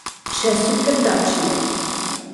Ĉesu plendaĉi.